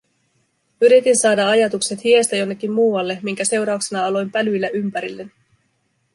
Yritin saada ajatukset hiestä jonnekin muualle, minkä seurauksena aloin pälyillä ympärilleni.